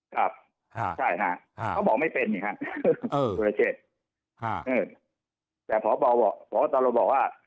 ครับใช่ค่ะเขาบอกไม่เป็นเนี่ยครับโทษศุรเชษแต่พอตลอดบอกว่า